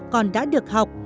con đã được học